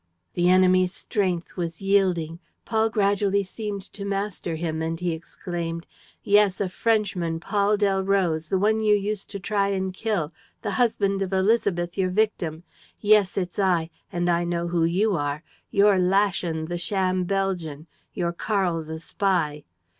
The enemy's strength was yielding; Paul gradually seemed to master him; and he exclaimed: "Yes, a Frenchman, Paul Delroze, the one you used to try and kill, the husband of Élisabeth, your victim. ... Yes, it's I; and I know who you are: you're Laschen, the sham Belgian; you're Karl the spy."